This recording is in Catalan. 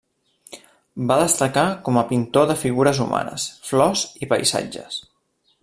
Va destacar com a pintor de figures humanes, flors i paisatges.